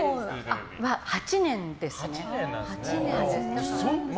８年ですね。